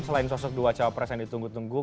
selain sosok dua cowok pres yang ditunggu tunggu